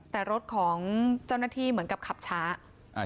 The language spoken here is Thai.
แต่รถของเจ้าหน้าที่เหมือนกับขับช้า